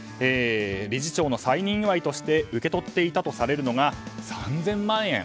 理事長の再任祝いとして受け取っていたとされるのが３０００万円。